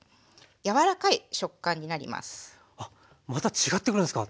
あっまた違ってくるんですか。